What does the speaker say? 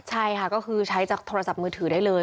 ใช่ค่ะก็คือใช้จากโทรศัพท์มือถือได้เลย